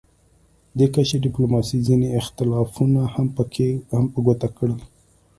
دې کچې ډیپلوماسي ځینې اختلافونه هم په ګوته کړل